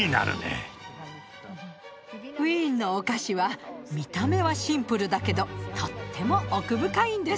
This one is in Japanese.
ウィーンのお菓子は見た目はシンプルだけどとっても奥深いんです。